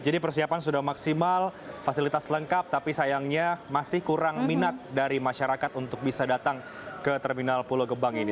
jadi persiapan sudah maksimal fasilitas lengkap tapi sayangnya masih kurang minat dari masyarakat untuk bisa datang ke terminal kulodobang ini